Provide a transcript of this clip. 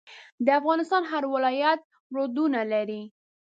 د افغانستان هر ولایت رودونه لري.